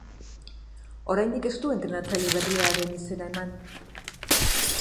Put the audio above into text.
Oraindik ez du entrenatzaile beriaren izena eman.